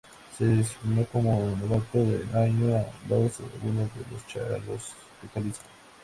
Se designó como novato del año a Luis Lagunas de los Charros de Jalisco.